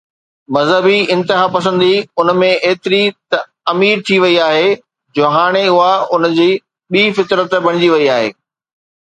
مذهبي انتها پسندي ان ۾ ايتري ته امير ٿي وئي آهي جو هاڻي اها ان جي ٻي فطرت بڻجي وئي آهي.